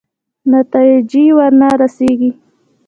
نتایجې ورنه رسېږي.